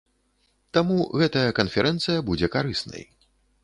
Таму гэтая канферэнцыя будзе карыснай.